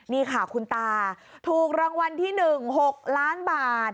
นี่ค่ะคุณตาถูกรางวัลที่๑๖ล้านบาท